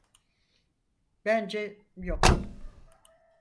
Bence yok.